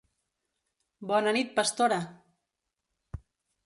Bona nit, pastora!